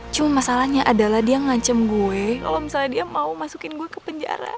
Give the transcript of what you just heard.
cuma masalahnya adalah dia mengancam saya kalau dia mau memasukkan saya ke penjara